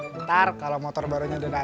bentar kalau motor barunya udah naik